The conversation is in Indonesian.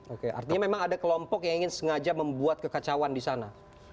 oke artinya memang ada kelompok yang ingin sengaja membuat kekacauan di sana